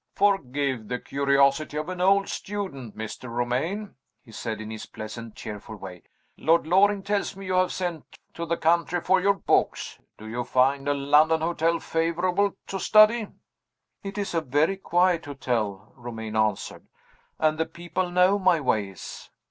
"Forgive the curiosity of an old student, Mr. Romayne," he said in his pleasant, cheerful way. "Lord Loring tells me you have sent to the country for your books. Do you find a London hotel favorable to study?" "It is a very quiet hotel," Romayne answered, "and the people know my ways."